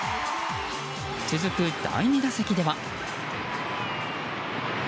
続く第２打席では。